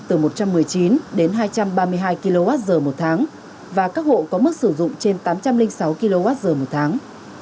từ một trăm một mươi chín đến hai trăm ba mươi hai kwh một tháng và các hộ có mức sử dụng trên tám trăm linh sáu kwh một tháng